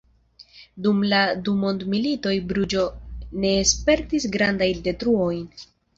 Dum la du mondmilitoj Bruĝo ne spertis grandajn detruojn.